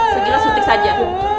segera suntik saja